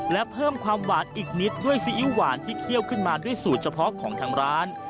และเพิ่มความหวานอีกนิดด้วยซีอิ๊วหวานที่เคี่ยวขึ้นมาด้วยสูตรเฉพาะของทางร้าน